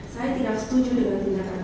saya tidak setuju dengan tindakan